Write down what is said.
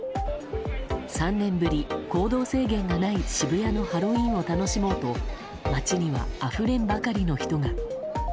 ３年ぶり、行動制限がない渋谷のハロウィーンを楽しもうと街には、あふれんばかりの人が。